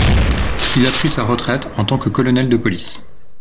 Il a pris sa retraite en tant que colonel de police.